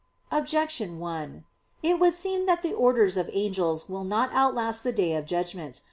Objection 1: It would seem that the orders of angels will not outlast the Day of Judgment.